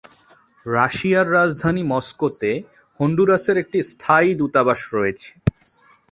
রাশিয়ার রাজধানী মস্কোতে, হন্ডুরাসের একটি স্থায়ী দূতাবাস রয়েছে।